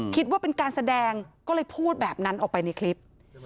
คิดว่าเป็นการแสดงก็เลยพูดแบบนั้นออกไปในคลิป